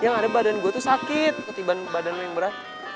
yang ada badan gua tuh sakit ketiban badan lu yang berat